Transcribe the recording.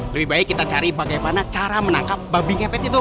lebih baik kita cari bagaimana cara menangkap babi ngepet itu